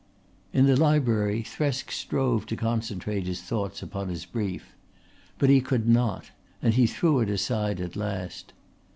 In the library Thresk strove to concentrate his thoughts upon his brief. But he could not, and he threw it aside at last.